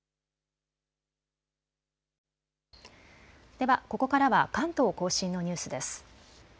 では、ここからは関東甲信のニュースです。